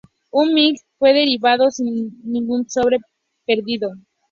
Un "MiG" fue derribado, sin ningún Sabre perdido.